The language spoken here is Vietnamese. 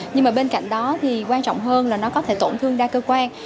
nhưng mà bên cạnh đó thì quan trọng hơn là nó có thể tổn thương đa cơ quan